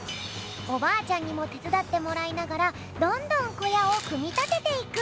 おばあちゃんにもてつだってもらいながらどんどんこやをくみたてていく。